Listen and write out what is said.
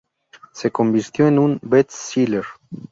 Se convirtió en un best-seller.